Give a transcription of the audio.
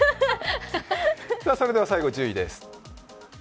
それでは最後、１０位です。